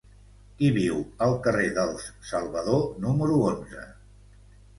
Qui viu al carrer dels Salvador número onze?